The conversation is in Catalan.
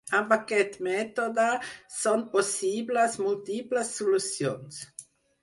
Amb aquest mètode són possibles múltiples solucions.